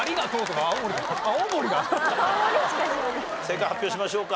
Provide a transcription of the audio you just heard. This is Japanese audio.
正解発表しましょうか。